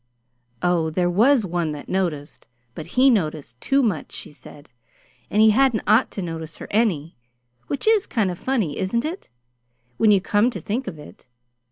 Oh, there was one that noticed; but he noticed too much, she said, and he hadn't ought to notice her any which is kind of funny, isn't it, when you come to think of it.